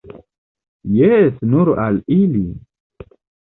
Jes, nur al ili!